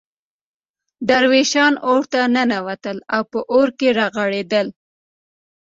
درویشان اورته ننوتل او په اور کې رغړېدل.